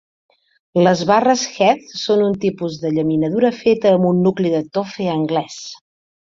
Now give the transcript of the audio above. Les barres Heath són un tipus de llaminadura feta amb un nucli de toffee anglès.